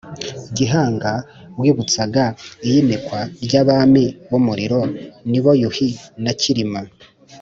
gihanga wibutsaga iyimikwa ry’abami b’umuriro ari bo yuhi na cyilima.